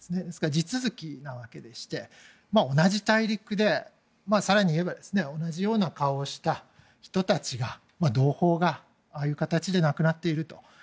ですから地続きなわけでして同じ大陸で更に言えば同じような顔をした人たちが同胞がああいう形で亡くなっていると。